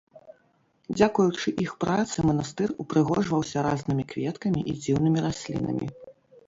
Дзякуючы іх працы манастыр упрыгожваўся разнымі кветкамі і дзіўнымі раслінамі.